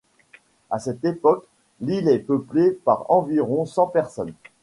À cette époque, l'île est peuplée par environ cent personnes.